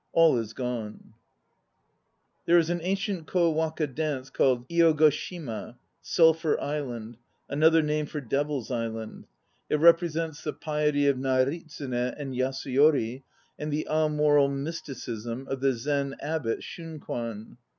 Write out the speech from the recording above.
All is gone There is an ancient Kowaka dance called Id go Shima, "Sulphur Island" another name for DeviVs Island. It represents the piety of Naritsune and Yasuyori, and the amoral mysticism of the Zen abbot Shunkwan.